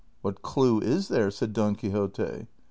"^" What clew is there ?" said Don Quixote.